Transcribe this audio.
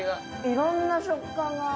いろんな食感が。